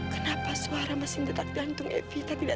sampai jumpa di video selanjutnya